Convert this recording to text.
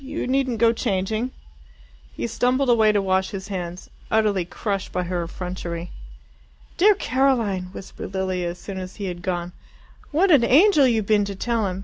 You needn't go changing." He stumbled away to wash his hands, utterly crushed by her effrontery. "Dear Caroline!" whispered Lilia as soon as he had gone. "What an angel you've been to tell him!